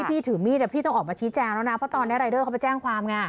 พี่ถือมีดพี่ต้องออกมาชี้แจงแล้วนะเพราะตอนนี้รายเดอร์เขาไปแจ้งความไง